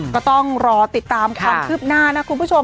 ก็ต้องรอติดตามความคืบหน้านะคุณผู้ชม